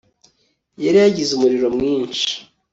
yari yagize umuriro mwinshi